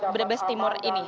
brebes timur ini